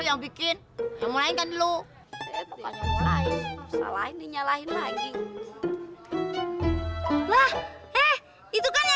eh pak tolong diramanin pak